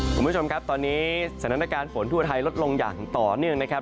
คุณผู้ชมครับตอนนี้สถานการณ์ฝนทั่วไทยลดลงอย่างต่อเนื่องนะครับ